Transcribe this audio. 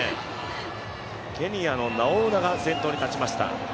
ケニアのナウォウナが先頭に立ちました。